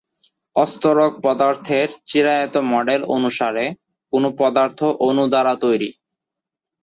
অস্তরক পদার্থের চিরায়ত মডেল অনুসারে, কোন পদার্থ অণু দ্বারা তৈরি।